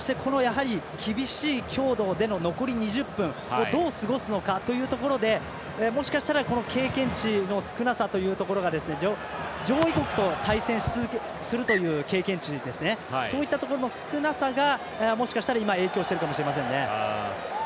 そして、厳しい強度での残り２０分をどう過ごすのかというところでもしかしたら、経験値の少なさというところが上位国と対戦するという経験値そういったところの少なさがもしかしたら影響してるかもしれませんね。